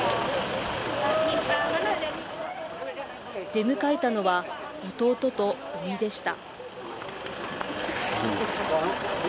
出迎えたのは弟とおいでした。